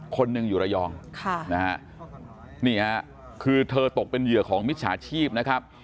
คนหนึ่งอยู่ระยองค่ะนะฮะนี่ฮะคือเธอตกเป็นเหยื่อของมิจฉาชีพนะครับ